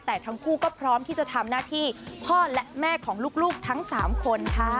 แต่ทั้งคู่ก็พร้อมที่จะทำหน้าที่พ่อและแม่ของลูกทั้ง๓คนค่ะ